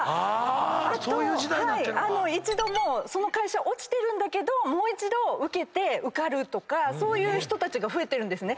あと一度もうその会社落ちてるんだけどもう一度受けて受かるとかそういう人たちが増えてるんです。